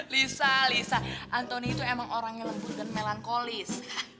liza liza antoni itu emang orang yang lembut dan melankolis